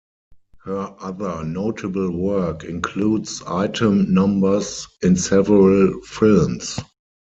Her other notable work includes item numbers in several films.